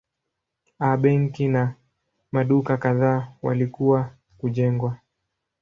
A benki na maduka kadhaa walikuwa kujengwa.